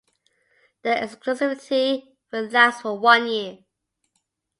The exclusivity will last for one year.